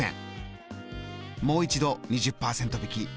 もう一度２０％引き。